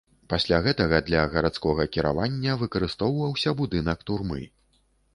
Пасля гэтага для гарадскога кіравання выкарыстоўваўся будынак турмы.